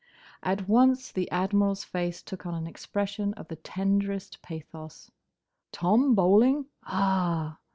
At once the Admiral's face took on an expression of the tenderest pathos. "Tom Bowling?—Ah!"